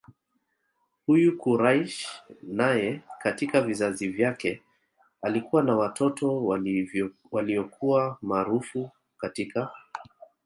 Huyu Quraysh naye katika vizazi vyake alikuwa na watoto waliyokuwa maaraufu katika